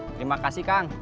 terima kasih kang